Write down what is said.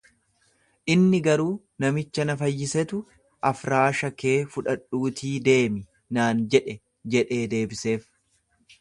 Inni garuu, Namicha na fayyisetu afraash kee fudhadhuutii deemi naan jedhe jedhee deebiseef.